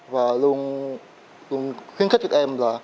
và luôn khuyến khích các em